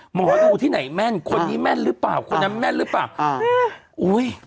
หมอดูที่ไหนแม่นคนนี้แม่นหรือเปล่าคนนั้นแม่นหรือเปล่าอ่าอืมอุ้ย